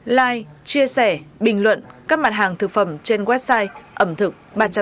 like chia sẻ bình luận các mặt hàng thực phẩm trên website ẩm thực ba trăm sáu mươi năm